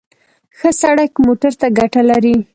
ښه سړک موټر ته ګټه لري.